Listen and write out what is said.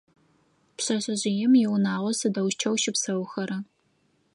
Пшъэшъэжъыем иунагъо сыдэущтэу щыпсэухэра?